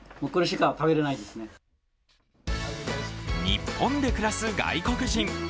日本で暮らす外国人。